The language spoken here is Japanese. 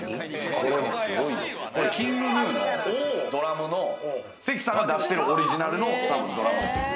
これ、ＫｉｎｇＧｎｕのドラムの勢喜さんが出してるオリジナルのドラムスティック。